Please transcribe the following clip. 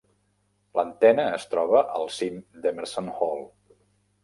L'antena es troba al cim d'Emerson Hall.